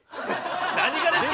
何がですか！